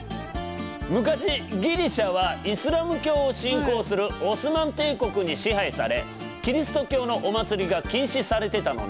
昔ギリシャはイスラム教を信仰するオスマン帝国に支配されキリスト教のお祭りが禁止されてたのね。